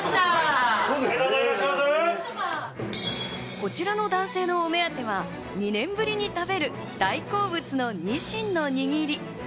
こちらの男性のお目当ては２年ぶりに食べる大好物のにしんの握り。